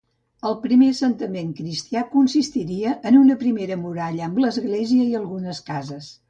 El primer assentament cristià consistiria en una primera muralla amb l'església i algunes cases.